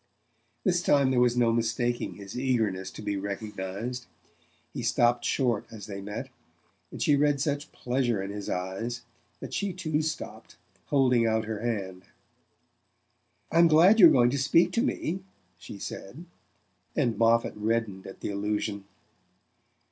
This time there was no mistaking his eagerness to be recognized. He stopped short as they met, and she read such pleasure in his eyes that she too stopped, holding out her hand. "I'm glad you're going to speak to me," she said, and Moffatt reddened at the allusion.